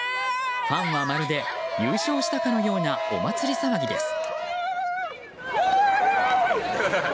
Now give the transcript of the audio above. ファンはまるで優勝したかのようなお祭り騒ぎです。